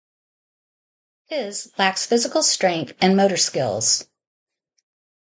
His lacks physical strength and motor skills.